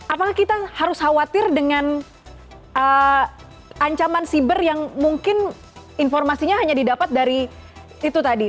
apakah kita harus khawatir dengan ancaman siber yang mungkin informasinya hanya didapat dari itu tadi